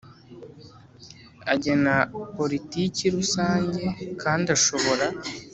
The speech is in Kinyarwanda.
Agena politiki rusange kandi ashobora